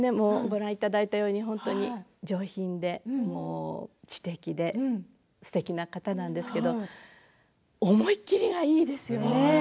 ご覧いただいたように本当に上品で知的ですてきな方なんですけれど思い切りがいいですよね。